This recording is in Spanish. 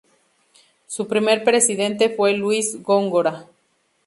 Su primer presidente fue Luis Góngora.